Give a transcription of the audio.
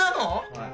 はい。